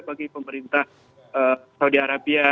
bagi pemerintah saudi arabia